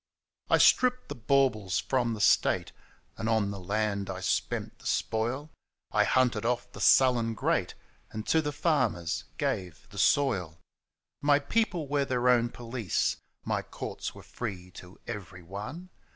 I strip{)ed the baubles from the State, And on the land I spent the spoil ; I hunted off the sullen great, And to the formers gave the soil. My people were their own police ; My courts were free to everyone.